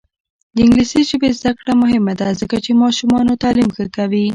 د انګلیسي ژبې زده کړه مهمه ده ځکه چې ماشومانو تعلیم ښه کوي.